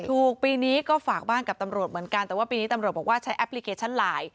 ปีนี้ก็ฝากบ้านกับตำรวจเหมือนกันแต่ว่าปีนี้ตำรวจบอกว่าใช้แอปพลิเคชันไลน์